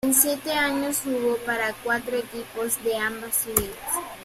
En siete años jugó para cuatro equipos de ambas ligas.